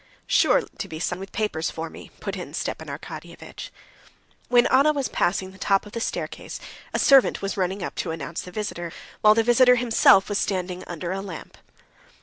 "Sure to be someone with papers for me," put in Stepan Arkadyevitch. When Anna was passing the top of the staircase, a servant was running up to announce the visitor, while the visitor himself was standing under a lamp.